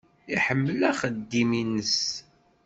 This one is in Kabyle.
Iḥemmel axeddim-nnes.